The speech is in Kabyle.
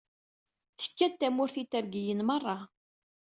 Tekka-d tamurt Itergiyen merra.